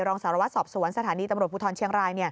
รองสารวัตรสอบสวนสถานีตำรวจภูทรเชียงราย